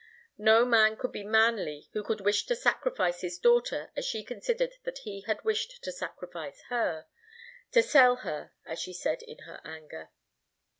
No man could be manly who could wish to sacrifice his daughter as she considered that he had wished to sacrifice her to sell her, as she said in her anger.